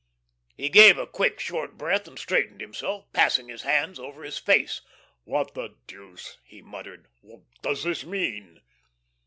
He gave a quick, short breath, and straightened himself, passing his hands over his face. "What the deuce," he muttered, "does this mean?"